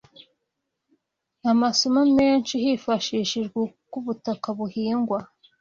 amasomo menshi hifashishijwe uko ubutaka buhingwa